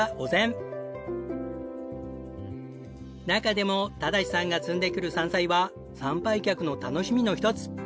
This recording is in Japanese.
中でも正さんが摘んでくる山菜は参拝客の楽しみの一つ。